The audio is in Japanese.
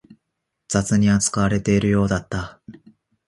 雑に扱われているようだった